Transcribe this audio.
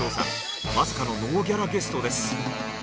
まさかのノーギャラゲストです。